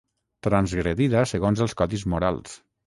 Transgredida segons els codis morals.